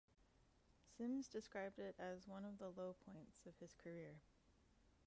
Sims described it as "one of the low points" of his career.